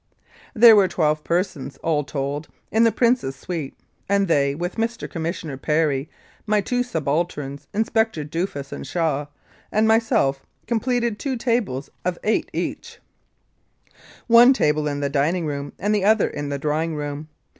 There were twelve persons, all told, in the Prince's suite, and they, with Mr. Commissioner Perry, my two subalterns, Inspectors Duffus and Shaw, and myself completed two tables of eight each : one table in the dining room and the other in the drawing room.